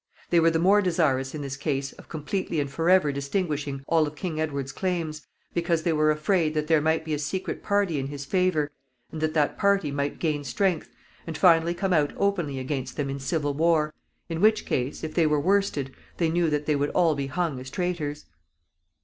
They were the more desirous in this case of completely and forever extinguishing all of King Edward's claims, because they were afraid that there might be a secret party in his favor, and that that party might gain strength, and finally come out openly against them in civil war, in which case, if they were worsted, they knew that they would all be hung as traitors.